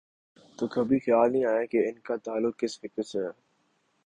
تو کبھی خیال نہیں آیا کہ ان کا تعلق کس فقہ سے ہے۔